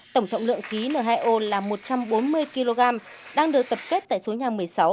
tổng trọng lượng khí n hai o là một trăm bốn mươi kg đang được tập kết tại số nhà một mươi sáu